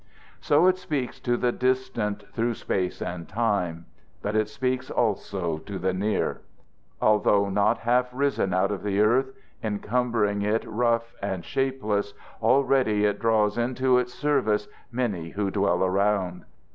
So it speaks to the distant through space and time; but it speaks also to the near. Although not half risen out of the earth, encumbering it rough and shapeless, already it draws into its service many who dwell around.